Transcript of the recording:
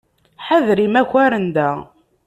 Ḥader imakaren da.